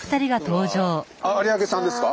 有明さんですか？